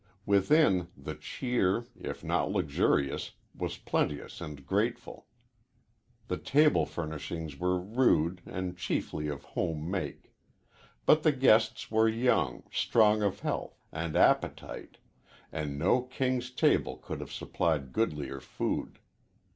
Within, the cheer, if not luxurious, was plenteous and grateful. The table furnishings were rude and chiefly of home make. But the guests were young, strong of health and appetite, and no king's table could have supplied goodlier food.